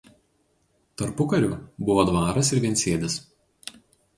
Tarpukariu buvo dvaras ir viensėdis.